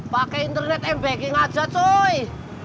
pakai internet embacking aja cuy